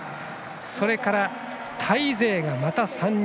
それからタイ勢が、また３人。